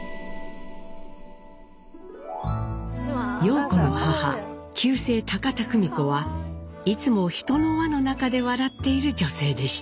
陽子の母旧姓田久美子はいつも人の輪の中で笑っている女性でした。